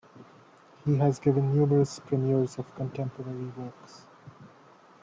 He has given numerous premieres of contemporary works.